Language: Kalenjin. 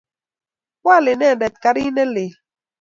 Koal inendet karit ne lel.